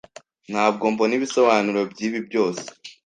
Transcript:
Ntabwo mbona ibisobanuro byibi byose.